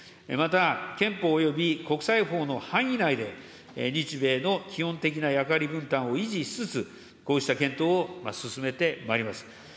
また、憲法および国際法の範囲内で、日米の基本的な役割分担を維持しつつ、こうした検討を進めてまいります。